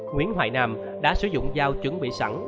nguyễn hoài nam đã sử dụng dao chuẩn bị sẵn